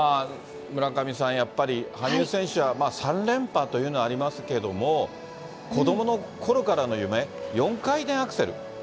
村上さん、やっぱり、羽生選手は３連覇というのはありますけれども、子どものころからの夢、４回転アクセル。